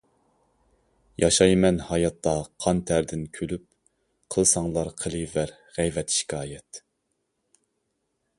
ياشايمەن ھاياتتا قان تەردىن كۈلۈپ، قىلساڭلار قىلىۋەر غەيۋەت-شىكايەت.